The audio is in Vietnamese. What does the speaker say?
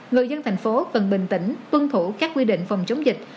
người dân thành phố cần bình tĩnh tuân thủ các quy định phòng chống dịch